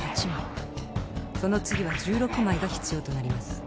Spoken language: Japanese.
その次は１６枚が必要となります。